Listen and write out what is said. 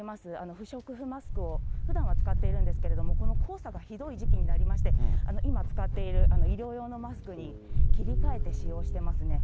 不織布マスクをふだんは使っているんですけれども、この黄砂がひどい時期になりまして、今使っている医療用のマスクに切り替えて使用していますね。